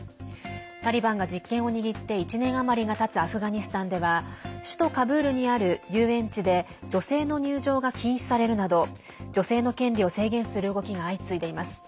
タリバンが実権を握って１年余りがたつアフガニスタンでは首都カブールにある遊園地で女性の入場が禁止されるなど女性の権利を制限する動きが相次いでいます。